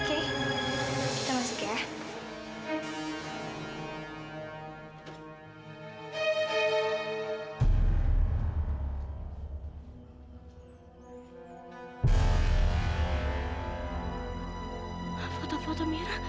kenapa gallant you